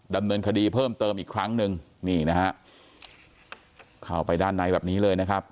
ดำเนินคดีเพิ่มเติมอีกครั้งหนึ่งนี่นะฮะเข้าไปด้านในแบบนี้เลยนะครับ